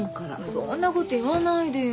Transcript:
そんなこと言わないでよ。